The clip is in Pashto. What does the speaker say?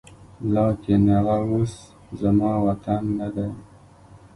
لاکن هغه اوس زما وطن نه دی